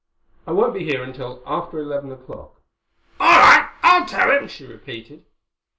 "I won't be here until after eleven o'clock." "All right. I'll tell him," she repeated.